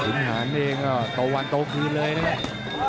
อุณหารเองก็โตวันโตคืนเลยนะครับ